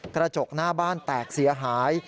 กระจกหน้าบ้านแตกเสียหาย